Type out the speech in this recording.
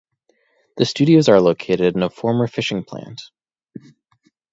The studios are located in a former fishing plant.